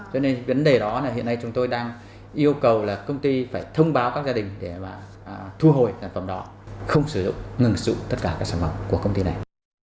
cho nên vấn đề đó là hiện nay chúng tôi đang yêu cầu là công ty phải thông báo các gia đình để mà thu hồi sản phẩm đó không sử dụng ngừng sử dụng tất cả các sản phẩm của công ty này